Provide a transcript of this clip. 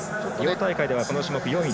大会ではこの種目、４位。